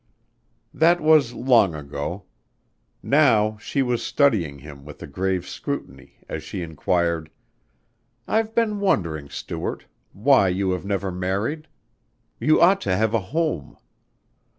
That was long ago. Now she was studying him with a grave scrutiny as she inquired, "I've been wondering, Stuart, why you have never married. You ought to have a home."